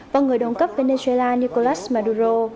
và người đồng cấp venezuela nicolas maduro